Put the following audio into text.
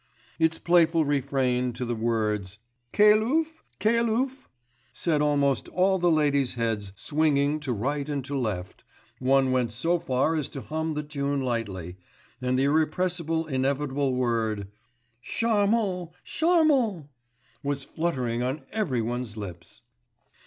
Its playful refrain to the words: 'Quel œuf? quel bœuf?' set almost all the ladies' heads swinging to right and to left; one went so far as to hum the tune lightly, and the irrepressible, inevitable word, 'Charmant! charmant!' was fluttering on every one's lips.